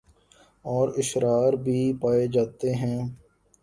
اور اشرار بھی پائے جاتے ہیں